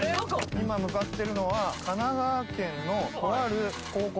今向かってるのは神奈川県のとある高校です